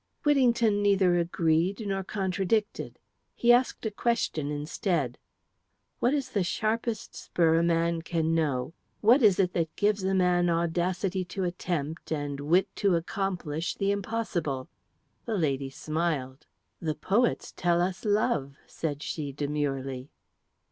Whittington neither agreed nor contradicted. He asked a question instead. "What is the sharpest spur a man can know? What is it that gives a man audacity to attempt and wit to accomplish the impossible?" The lady smiled. "The poets tell us love," said she, demurely.